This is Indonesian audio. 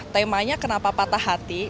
temanya kenapa patah hati